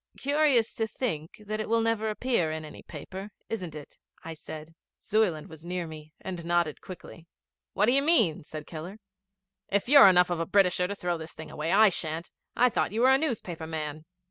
'Curious to think that it will never appear in any paper, isn't it? 'I said. Zuyland was near me, and he nodded quickly. 'What do you mean?' said Keller. 'If you're enough of a Britisher to throw this thing away, I shan't. I thought you were a newspaper man.'